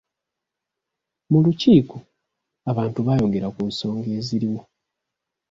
Mu lukiiko, abantu baayogera ku nsonga eziriwo.